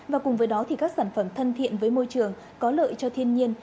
và cùng với đó thì các sản phẩm thân thiện với môi trường có lợi cho thiên nhiên